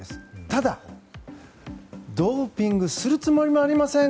ただ、ドーピングするつもりもありません